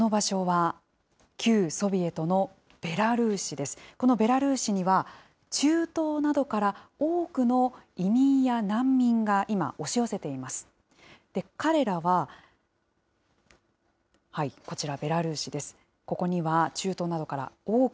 ここには中東などから多くの移民や難民が今、押し寄せています。